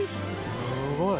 すごい。